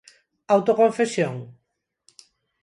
Autoconfesión?